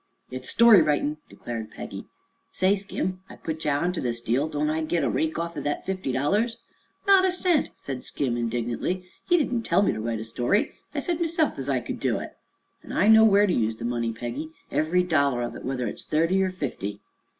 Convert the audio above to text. "It's story writin'," declared Peggy "Say, Skim, I put ye onter this deal; don't I git a rake off on thet fifty dollars?" "Not a cent!" said Skim indignantly. "Ye didn't tell me to write a story; I said myself as I could do it. An' I know where to use the money, Peggy, ev'ry dollar of it, whether it's thirty er fifty."